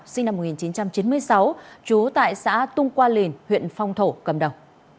sinh năm một nghìn chín trăm chín mươi sáu trú tại xã tung qua lìn huyện phong thổ cầm đầu